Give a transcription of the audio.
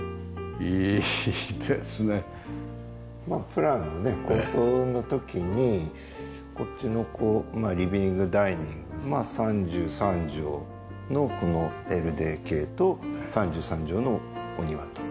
プランのね草案の時にこっちのリビングダイニング３３畳のこのＬＤＫと３３畳のお庭と。